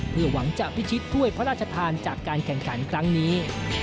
เพื่อหวังจะพิชิตถ้วยพระราชทานจากการแข่งขันครั้งนี้